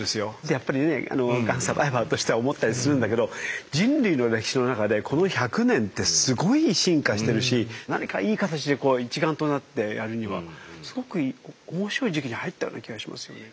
やっぱりねがんサバイバーとしては思ったりするんだけど人類の歴史の中でこの１００年ってすごい進化してるし何かいい形でこう一丸となってやるにはすごく面白い時期に入ったような気がしますよね。